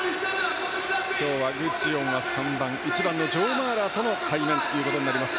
今日は具智元が３番１番のジョー・マーラーとの対面ということになります。